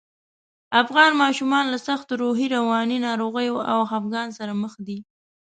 افغان ماشومان له سختو روحي، رواني ناروغیو او خپګان سره مخ دي